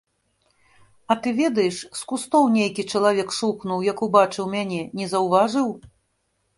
А ты ведаеш, з кустоў нейкі чалавек шухнуў, як убачыў мяне, не заўважыў?